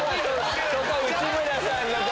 そこは内村さんの所！